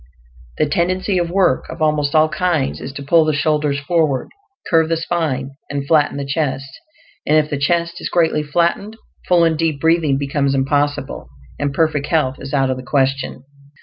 The tendency of work, of almost all kinds, is to pull the shoulders forward, curve the spine, and flatten the chest; and if the chest is greatly flattened, full and deep breathing becomes impossible, and perfect health is out of the question.